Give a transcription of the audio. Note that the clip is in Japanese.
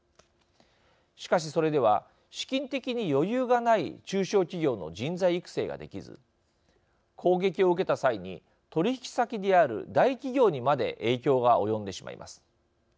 しかし、それでは資金的に余裕がない中小企業の人材育成ができず攻撃を受けた際に取引先である大企業にまで影響が及んでしまいます。